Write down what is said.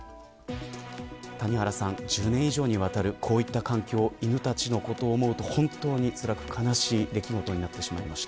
谷原さん、１０年以上にわたるこういった環境犬たちのことを思うと本当に、つらく悲しい出来事になってしまいました。